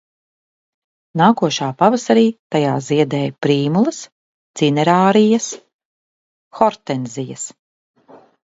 Nākošā pavasarī tajā ziedēja prīmulas, cinerarījas, hortenzijas.